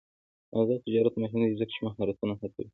آزاد تجارت مهم دی ځکه چې مهارتونه هڅوي.